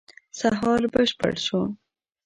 سهار بشپړ شو.